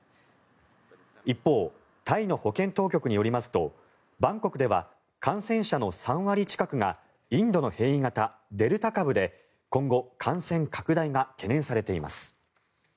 一方タイの保健当局によりますとバンコクでは感染者の３割近くがインドの変異型、デルタ株で今後感染拡大が懸念されています。